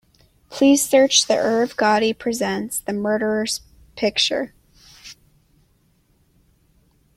Please search the Irv Gotti Presents: The Murderers picture.